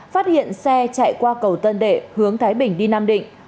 phát hiện xe chạy qua cầu tân đệ hướng thái bình đi nam định